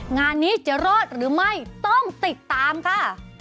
งานนี้จะรอดหรือไม่ต้องติดตามค่ะ